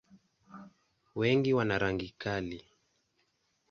Wengi wana rangi kali.